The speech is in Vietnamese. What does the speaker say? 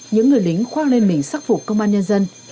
những người lính khoác lên mình sắc phục công an nhân dân